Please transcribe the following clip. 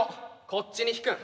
こっちに引くん。